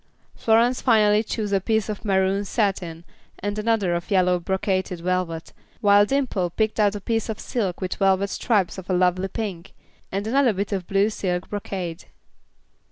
Florence finally chose a piece of maroon satin, and another of yellow brocaded velvet, while Dimple picked out a piece of silk with velvet stripes of a lovely pink, and another bit of blue silk brocade.